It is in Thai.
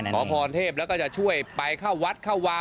ขอพรเทพแล้วก็จะช่วยไปเข้าวัดเข้าวา